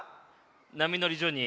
「波のりジョニー」。